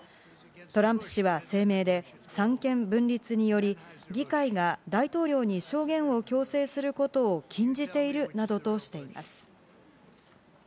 トランプ氏は声明で、三権分立により、議会が大統領に証言を強制することを禁じているなどとしています。